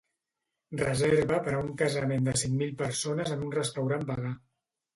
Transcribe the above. Reserva per a un casament de cinc mil persones en un restaurant vegà.